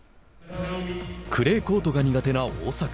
クレーコートが苦手な大坂。